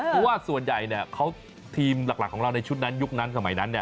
เพราะว่าส่วนใหญ่ทีมหลักของเราในชุดนั้นยุคนั้นสมัยนั้น